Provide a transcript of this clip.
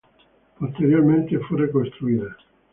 Posteriormente, fue reconstruida.